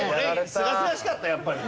すがすがしかったやっぱり。